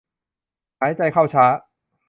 หายใจเข้าช้า